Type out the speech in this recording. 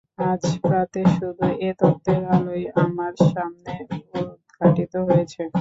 আজ প্রাতে শুধু এ তত্ত্বের আলোই আমার সামনে উদ্ঘাটিত হয়েছে।